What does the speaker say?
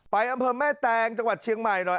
อำเภอแม่แตงจังหวัดเชียงใหม่หน่อย